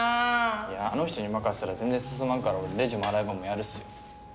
いやあの人に任せたら全然進まんから俺レジも洗い場もやるっすよ。